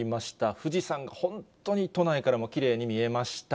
富士山、本当に都内からもきれいに見えました。